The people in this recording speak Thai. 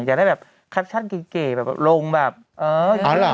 อยากได้แบบแคปชั่นเก๋แบบลงแบบเอออยู่ด้วยหน่อย